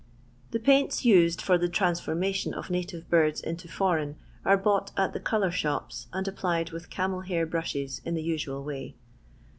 The paints used for the transformation of natiye birds into foreign are bought at the colour shops, and applied with camel hair brushes in the usual way.